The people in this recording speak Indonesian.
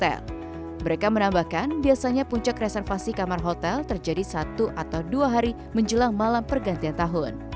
mereka menambahkan biasanya puncak reservasi kamar hotel terjadi satu atau dua hari menjelang malam pergantian tahun